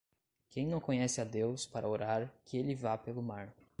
Quem não conhece a Deus para orar que ele vá pelo mar.